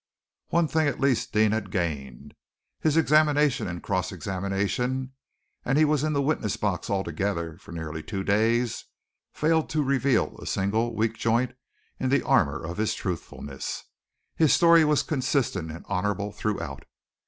One thing at least Deane had gained. His examination and cross examination and he was in the witness box altogether for nearly two days failed to reveal a single weak joint in the armor of his truthfulness. His story was consistent and honorable throughout.